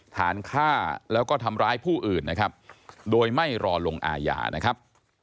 ฐานฆ่าแล้วก็ทำร้ายผู้อื่นนะครับโดยไม่รอลงอาญานะครับ